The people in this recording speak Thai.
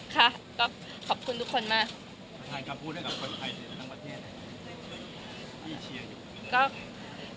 ค่ะก็ขอบคุณทุกคนมากท่านก็พูดให้กับคนไทยทั้งทั้งประเทศ